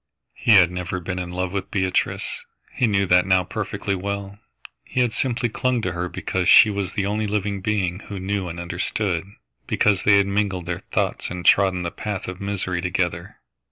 He had never been in love with Beatrice. He knew that now perfectly well. He had simply clung to her because she was the only living being who knew and understood, because they had mingled their thoughts and trodden the path of misery together.